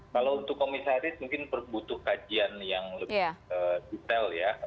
kalau untuk komisaris mungkin butuh kajian yang lebih detail ya